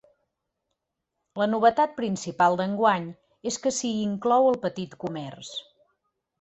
La novetat principal d’enguany és que s’hi inclou el petit comerç.